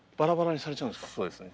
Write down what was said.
そうですね。